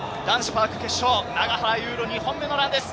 男子パーク決勝、永原悠路２本目のランです。